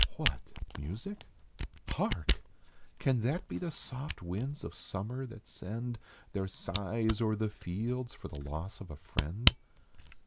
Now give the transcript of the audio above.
What music ? Hark ? Can that be the soft winds of summer that send Their sighs o er the fields for the loss of a friend